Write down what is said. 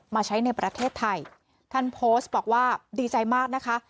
มาใช้ในประเทศไทยท่านโพสต์บอกว่าดีใจมากนะคะ